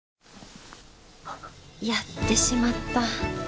やってしまった。